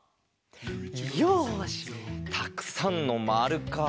よしたくさんのまるか。